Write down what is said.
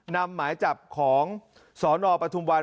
นำหมายจับของสนปฐุมวัน